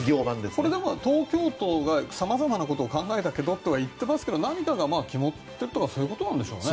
これは東京都が様々なことを考えたけどとは言ってますけど何かが決まってるとかそういうことなんでしょうね。